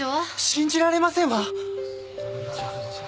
信じられませんわ。